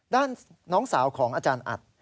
น้องสาวของอาจารย์อัด